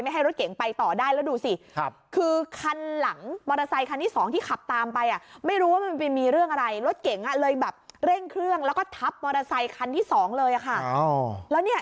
ไม่ให้รถเก๋งไปต่อได้แล้วดูสิ